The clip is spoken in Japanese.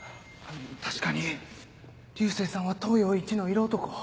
確かに流星さんは東洋いちの色男。